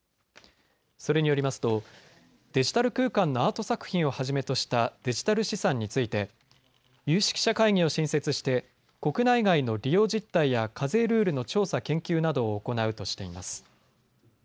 それによりますとデジタル空間のアート作品をはじめとしたデジタル資産について有識者会議を新設して国内外の利用実態や課税ルールの調査・研究などを行うとしています。